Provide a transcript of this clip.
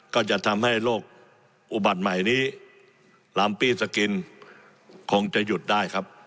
ก็จะทำให้โรคอุบัติใหม่นี้ลำปี้สกินคงจะหยุดได้ครับ